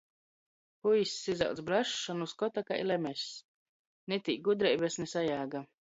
Puiss izaudzs brašs, a nu skota kai lemess. Ni tī gudreibys, ni sajāga.